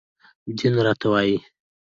دين راته وايي